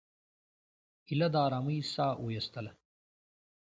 ایله د آرامۍ ساه وایستله.